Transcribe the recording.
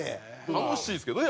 楽しいですけどね。